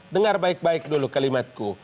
dengar baik baik dulu kalimatku